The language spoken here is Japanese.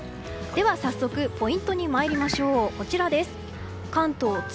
では、早速ポイントに参りましょう。